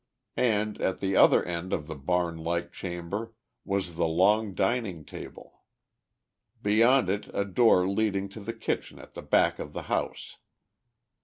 And, at the other end of the barn like chamber was the long dining table. Beyond it a door leading to the kitchen at the back of the house.